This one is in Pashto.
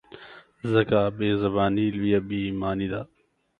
ځکه بې زباني لویه بې ایماني ده.